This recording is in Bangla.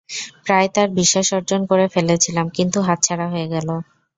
প্রায় তার বিশ্বাস অর্জন করে ফেলেছিলাম কিন্তু হাতছাড়া হয়ে গেল।